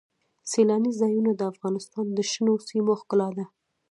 سیلانی ځایونه د افغانستان د شنو سیمو ښکلا ده.